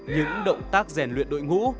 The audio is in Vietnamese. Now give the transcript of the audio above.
những động tác rèn luyện đội ngũ